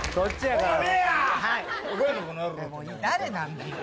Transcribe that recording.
誰なんだよ。